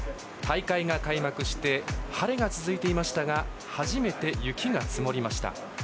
大会が開幕して晴れが続いていましたが初めて雪が積もりました。